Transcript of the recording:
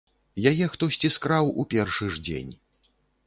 Яе хтосьці скраў у першы ж дзень.